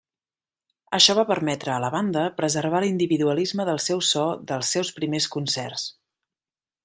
Això va permetre a la banda preservar l'individualisme del seu so dels seus primers concerts.